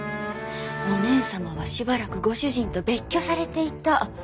お姉様はしばらくご主人と別居されていた。